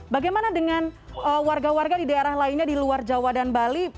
bagaimana dengan warga warga di daerah lainnya di luar jawa dan bali